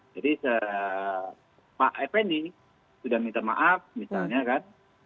jadi pak fnd sudah minta maaf misalnya kan